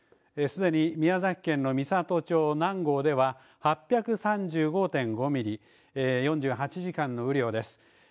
すでに宮崎県の美郷町南郷では、８３５．５ミリ、４８時間の雨量です。